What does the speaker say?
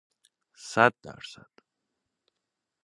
صد درصد